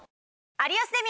『有吉ゼミ』。